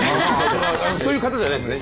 そういう方じゃないんですね。